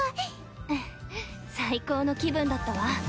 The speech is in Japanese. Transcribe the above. ふふっ最高の気分だったわ。